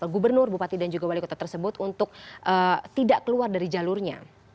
gubernur bupati dan juga wali kota tersebut untuk tidak keluar dari jalurnya